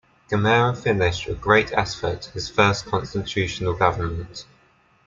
Gamarra finished, with great effort, his first constitutional government.